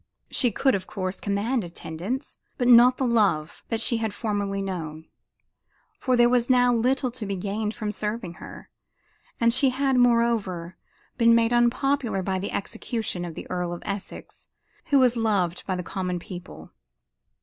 She could, of course, command attendance, but not the love that she had formerly known for there was now little to be gained from serving her, and she had, moreover, been made unpopular by the execution of the Earl of Essex, who was loved by the common people.